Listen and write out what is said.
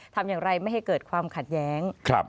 ทำอย่างไรไม่ให้เกิดความขัดแย้ง